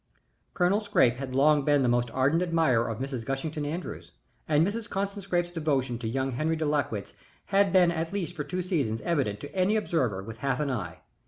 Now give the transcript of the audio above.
Colonel Scrappe had long been the most ardent admirer of Mrs. Gushington Andrews, and Mrs. Constant Scrappe's devotion to young Harry de Lakwitz had been at least for two seasons evident to any observer with half an eye.